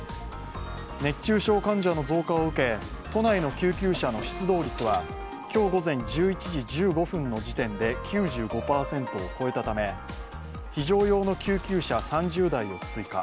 熱中症患者の増加を受け都内の救急車の出動率は今日午前１１時１５分の時点で９５％を超えたため、非常用の救急車３０台を追加。